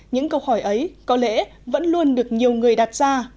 những câu hỏi ấy có lẽ vẫn luôn được nhiều người đặt ra